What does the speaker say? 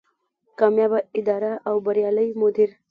کاميابه اداره او بريالی مدير